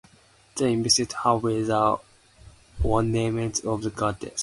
They invested her with the ornaments of the goddess.